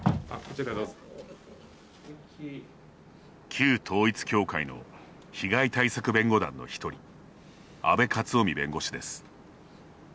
旧統一教会の被害対策弁護団の一人、阿部克臣弁護士です。